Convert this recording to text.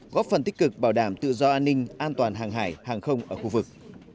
góp phần tích cực bảo đảm tự do an ninh an toàn hàng hải hàng không ở khu vực